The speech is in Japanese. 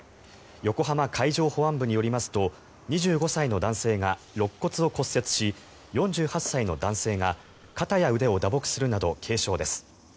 横浜海上保安部によりますと２５歳の男性がろっ骨を骨折し４８歳の男性が肩や腕を打撲するなど軽傷です。